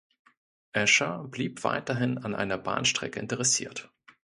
Escher blieb weiterhin an einer Bahnstrecke interessiert.